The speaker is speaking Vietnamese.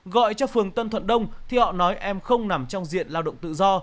gọi cho phường tân thuận đông thì họ nói em không nằm trong diện lao động tự do